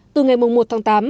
từ ngày một tháng tám